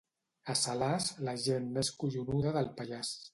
A Salàs, la gent més collonuda del Pallars.